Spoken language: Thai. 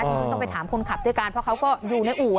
จริงต้องไปถามคนขับด้วยกันเพราะเขาก็อยู่ในอู่